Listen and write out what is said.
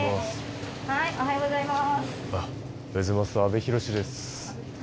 おはようございます。